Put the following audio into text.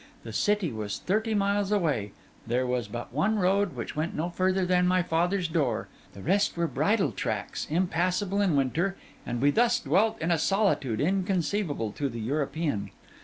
The city was thirty miles away; there was but one road, which went no further than my father's door; the rest were bridle tracks impassable in winter; and we thus dwelt in a solitude inconceivable to the European.